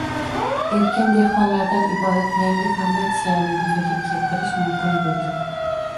erkin dehqonlardan iborat yangi formatsiyani yuzaga keltirish mumkin bo‘ldi.